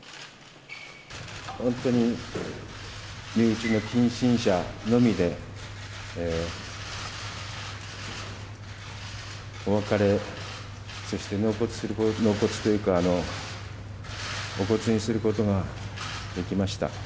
本当に身内の近親者のみで、お別れ、そして納骨というか、お骨にすることができました。